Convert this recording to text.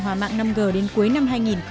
hòa mạng năm g đến cuối năm hai nghìn một mươi chín